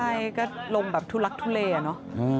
ใช่ก็ลงแบบทุลักทุเลเนอะ